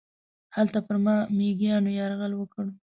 هلته پر ما میږیانو یرغل وکړ.